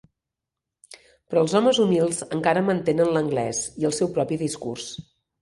Però els homes humils encara mantenen l'anglès i el seu propi discurs.